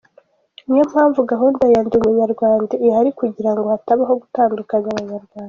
Niyo mpamvu gahunda ya Ndi Umunyarwanda ihari kugira ngo hatabaho gutandukanya Abanyarwanda.